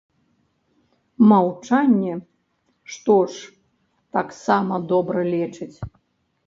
Маўчанне што ж, таксама добра лечыць.